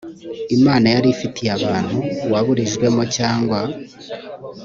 imana yari ifitiye abantu waburijwemo cyangwa